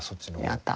やった。